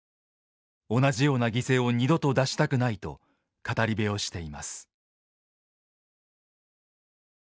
同じような犠牲を二度と出したくないと語り部をしています。